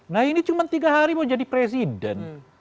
nah ini cuma tiga hari mau jadi presiden